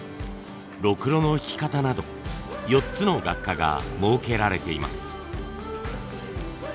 ろくろのひき方など４つの学科が設けられています。